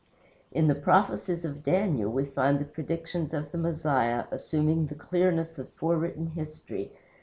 In the prophecies of Daniel we find the predictions of the Messiah assuming the clearness of forewritten history.